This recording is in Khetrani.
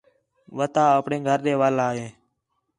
وتہ آپݨے گھر ݙے وَل آ ہے